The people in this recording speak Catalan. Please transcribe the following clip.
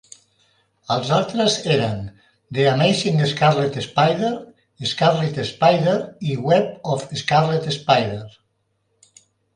Els altres eren "The Amazing Scarlet Spider", "Scarlet Spider" i "Web of Scarlet Spider".